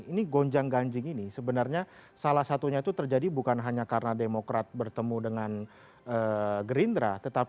ini gonjang ganjing ini sebenarnya salah satunya itu terjadi bukan hanya karena demokrat bertemu dengan gerindra